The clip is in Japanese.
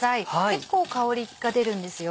結構香りが出るんですよ。